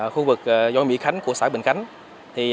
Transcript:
khu vực doi mỹ khánh của xã bình khánh